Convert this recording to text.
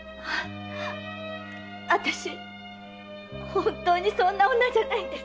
本当にそんな女じゃないんです。